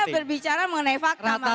saya berbicara mengenai fakta mas emil